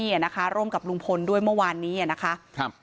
อ่ะนะคะร่วมกับลุงพลด้วยเมื่อวานนี้อ่ะนะคะครับ